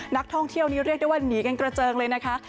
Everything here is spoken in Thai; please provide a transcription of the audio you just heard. นักท่องเที่ยวนี้เรียกได้ว่าหนีกันกระเจิงเลยนะคะ